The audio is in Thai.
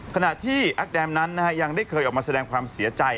ขณะที่อักแดมนั้นยังได้เคยออกมาแสดงความเสียใจ